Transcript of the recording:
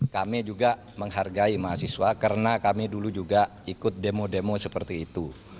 kami juga menghargai mahasiswa karena kami dulu juga ikut demo demo seperti itu